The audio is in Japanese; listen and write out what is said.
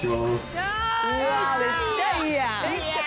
「うわめっちゃいいやん」